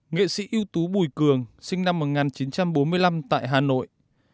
nghệ sĩ ưu tú bùi cường sinh năm một nghìn chín trăm bốn mươi năm tại hà nội